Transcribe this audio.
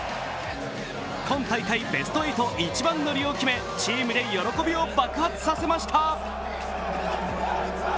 今大会ベスト８一番乗りを決めチームで喜びを爆発させました。